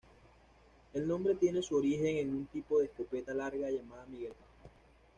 El nombre tiene su origen en un tipo de escopeta larga llamada Miguelete.